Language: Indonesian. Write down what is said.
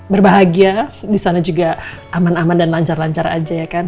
persis kamu nih kalau makan